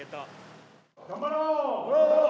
頑張ろう！